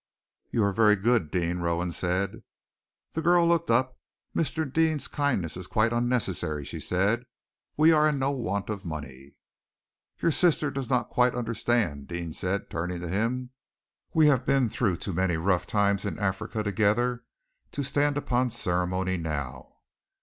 "You are very good, Deane," Rowan said. The girl looked up. "Mr. Deane's kindness is quite unnecessary," she said. "We are in no want of money." "Your sister does not quite understand," Deane said, turning to him. "We have been through too many rough times in Africa together to stand upon ceremony now.